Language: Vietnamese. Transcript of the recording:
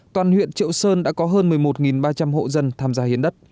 toàn huyện triệu sơn đã có hơn một mươi một ba trăm linh hộ dân tham gia hiến đất